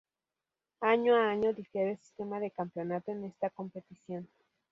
Año a año difiere el sistema de campeonato en esta competición.